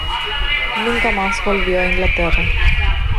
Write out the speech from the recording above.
Nunca más volvió a Inglaterra.